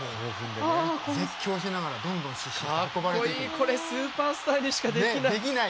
これスーパースターにしかできない。